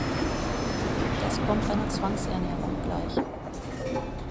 Das kommt einer Zwangsernährung gleich.